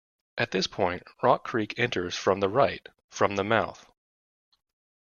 At this point, Rock Creek enters from the right from the mouth.